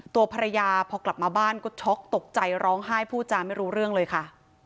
ตัวภรรยาพอกลับมาบ้านก็ช็อกตกใจร้องไห้พูดจาไม่รู้เรื่องเลยค่ะ